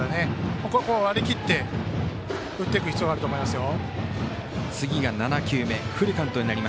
ここは割り切って打っていく必要があると思いますよ。